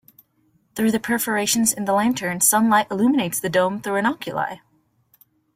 Through the perforations in the lantern, sunlight illuminates the dome through an oculi.